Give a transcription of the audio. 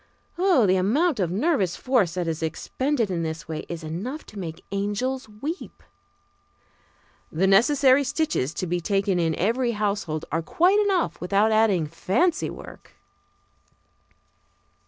The amount of nervous force that is expended in this way is enough to make angels weep. The necessary stitches to be taken in every household are quite enough without adding fancy work.